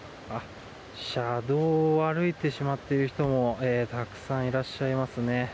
車道を歩いてしまっている人もたくさんいらっしゃいますね。